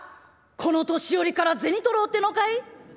「この年寄りから銭取ろうってのかい？」。